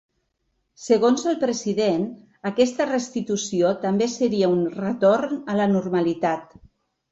Segons el president, aquesta restitució també seria una ‘retorn a la normalitat’.